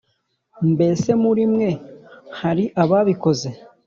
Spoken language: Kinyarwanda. Mbese muri mwe hari ababikoze